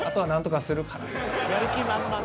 ［やる気満々の］